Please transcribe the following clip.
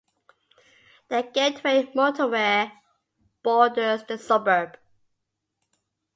The Gateway Motorway borders the suburb.